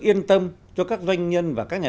yên tâm cho các doanh nhân và các nhà